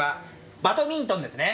バドミントンですね。